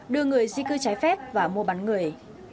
đưa người di cư trái phép và mua bán người